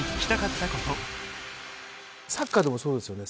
サッカーでもそうですよね。